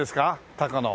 高野